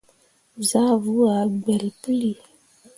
Zah vuu ah gbelle puli.